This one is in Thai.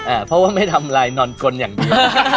อ๋อเออเพราะว่าไม่ทำลายนอนกลอย่างนี้